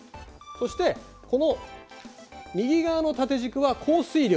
そしてこの右側の縦軸は降水量。